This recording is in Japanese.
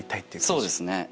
そうですね。